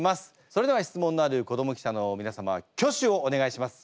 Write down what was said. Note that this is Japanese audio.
それでは質問のある子ども記者のみなさま挙手をお願いします。